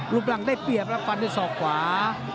ลูกหลังได้เปรียบปันที่สอกขวา